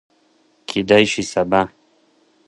کیدای شي سبا